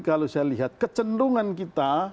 kalau saya lihat kecenderungan kita